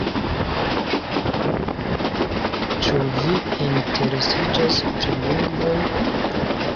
Ĉu vi interesiĝas pri lingvoj?